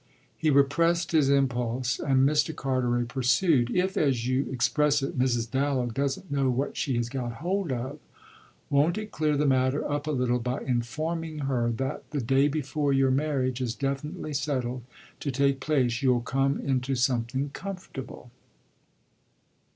He repressed his impulse and Mr. Carteret pursued. "If, as you express it, Mrs. Dallow doesn't know what she has got hold of, won't it clear the matter up a little by informing her that the day before your marriage is definitely settled to take place you'll come into something comfortable?"